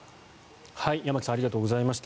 山木さんありがとうございました。